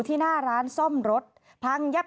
มีเกือบไปชนิดนึงนะครับ